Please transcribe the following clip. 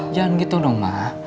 jangan gitu dong ma